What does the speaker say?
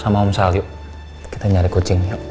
sama om salyu kita nyari kucing yuk